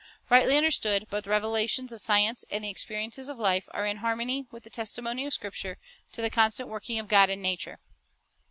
2 Rightly understood, both the revelations of science and the experiences of life are in harmony with the testimony of Scripture to the constant working of God in nature.